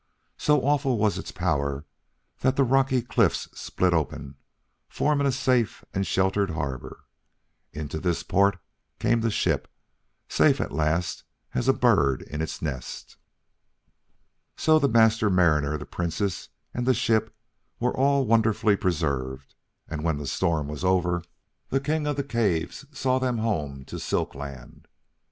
So awful was its power that the rocky cliffs split open, forming a safe and sheltered harbor. Into this port came the ship, safe at last as a bird in its nest. So the Master Mariner, the Princess, and the ship were all wonderfully preserved, and when the storm was over, the King of the Caves saw them home to Silk Land.